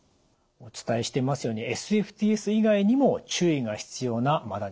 お伝えしていますようにＳＦＴＳ以外にも注意が必要なマダニ感染症はあります。